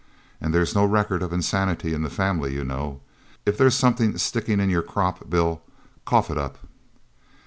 And there's no record of insanity in the family, you know. If there's something sticking in your crop, Bill, cough it up."